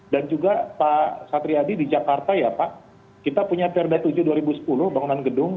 dan juga pak satri adi di jakarta ya pak kita punya prd tujuh dua ribu sepuluh bangunan gedung